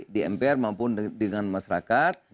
di mpr maupun dengan masyarakat